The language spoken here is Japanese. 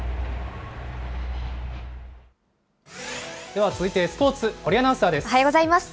では続いてスポーツ、堀アナウンサーです。